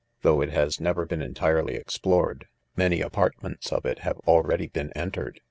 Though it has never been entirely explored, many apartments of it have already "been en* tered.